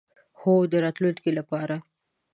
هو، د راتلونکی لپاره